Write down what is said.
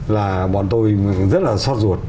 là bọn tôi rất là xót ruột